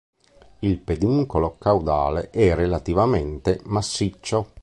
Il peduncolo caudale è relativamente massiccio.